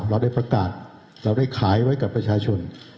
เราได้ประกาศเราได้ขายไว้กับประชาชน